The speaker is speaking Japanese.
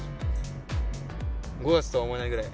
５月とは思えないぐらい